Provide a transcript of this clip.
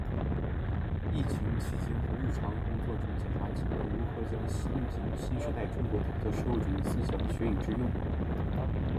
疫情期间和日常工作中检察机关如何将习近平新时代中国特色社会主义思想学以致用